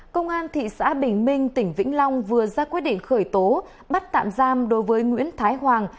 công an thị xã bình minh tỉnh vĩnh long vừa ra quyết định khởi tố bắt tạm giam đối với nguyễn thái hoàng